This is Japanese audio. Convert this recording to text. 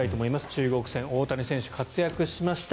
中国戦、大谷選手活躍しました。